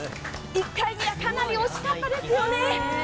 １回目はかなり惜しかったですよね。